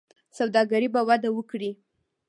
سوداګري به وده وکړي.